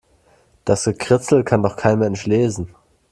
Das Gekritzel kann doch kein Mensch lesen.